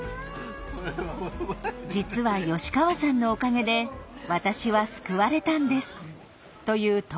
「実は吉川さんのおかげで私は救われたんです」と言う戸上さん。